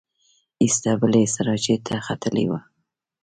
ایسته بلې سراچې ته ختلې وه.